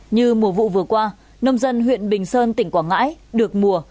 như mùa vụ vừa qua nông dân huyện bình sơn tỉnh quảng ngãi được mùa